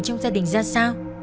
trong gia đình ra sao